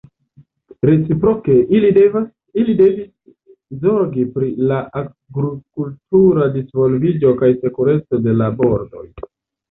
Reciproke, ili devis zorgi pri la agrikultura disvolviĝo kaj sekureco de la bordoj.